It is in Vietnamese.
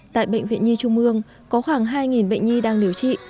tại bệnh viện nhi trung mương có khoảng hai bệnh nhi đang điều trị